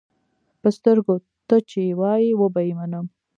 پۀ سترګو، تۀ چې وایې وبۀ یې منم.